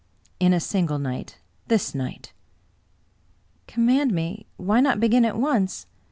'*" In a single night — ^this night." " Command me. Why not begin at once?